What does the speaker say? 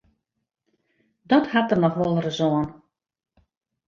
Dat hat der noch wolris oan.